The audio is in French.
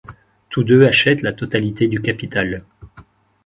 Tous deux achètent la totalité du capital.